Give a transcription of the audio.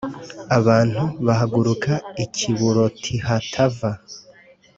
Abantu bahaguruka i Kiburotihatava